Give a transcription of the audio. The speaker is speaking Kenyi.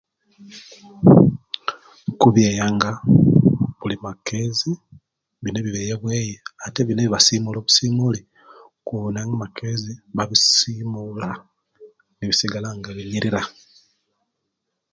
Kubyeyanga buli makezi bino ebibyeya bweyi ate bino ebyebasimula obusimuli kuwona nga amakezi babisimula nibisigala nga binyirira